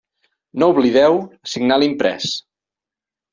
No oblideu signar l'imprès.